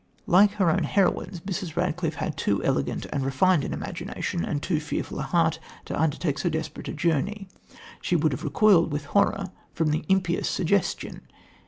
Like her own heroines, Mrs. Radcliffe had too elegant and refined an imagination and too fearful a heart to undertake so desperate a journey. She would have recoiled with horror from the impious suggestion.